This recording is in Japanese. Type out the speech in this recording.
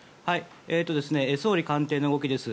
総理官邸の動きです。